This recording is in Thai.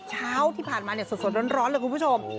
เช้าที่ผ่านมาสดร้อนเลยคุณผู้ชม